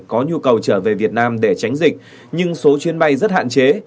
có nhu cầu trở về việt nam để tránh dịch nhưng số chuyến bay rất hạn chế